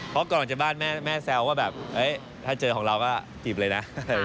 เพราะก่อนจะบ้านแม่แซวว่าแบบถ้าเจอของเราก็จีบเลยนะ